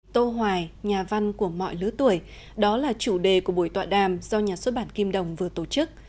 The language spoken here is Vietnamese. tô hoài nhà văn của mọi lứa tuổi đó là chủ đề của buổi tọa đàm do nhà xuất bản kim đồng vừa tổ chức